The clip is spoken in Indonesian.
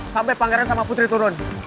sampai pangeran sama putri turun